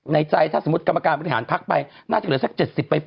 ในใจถ้าสมมุติกรรมการบริหารภักดิ์ไปน่าจะเหลือสักเจ็ดสิบไป